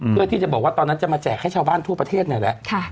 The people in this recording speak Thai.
เพื่อที่จะบอกว่าตอนนั้นจะมาแจกให้ชาวบ้านทั่วประเทศนั่นแหละ